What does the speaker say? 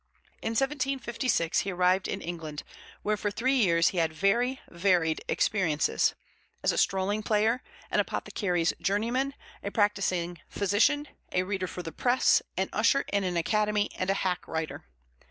In 1756 he arrived in England, where for three years he had very varied experiences as a strolling player, an apothecary's journeyman, a practising physician, a reader for the press, an usher in an academy, and a hack writer.